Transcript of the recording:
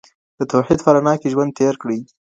د توحيد په رڼا کي ژوند تېر کړئ.